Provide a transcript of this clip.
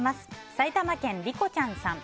埼玉県の方。